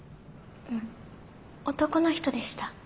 うん男の人でした。